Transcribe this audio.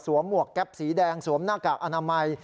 หมวกแก๊ปสีแดงสวมหน้ากากอนามัย